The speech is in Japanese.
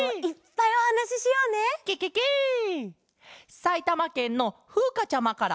さいたまけんのふうかちゃまから。